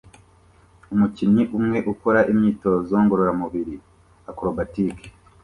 Umukinnyi umwe ukora imyitozo ngororamubiri acrobatic